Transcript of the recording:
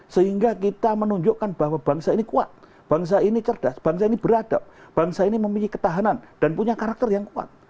sehingga kita menunjukkan bahwa bangsa ini kuat bangsa ini cerdas bangsa ini beradab bangsa ini memiliki ketahanan dan punya karakter yang kuat